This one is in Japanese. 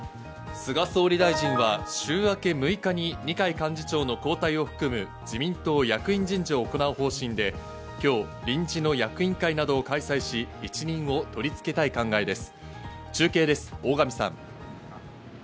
菅総理大臣は週明け６日に二階幹事長の交代を含む自民党役員人事を行う方針で、今日、臨時の役員会などを開催し、一任を取り付けたい考えです。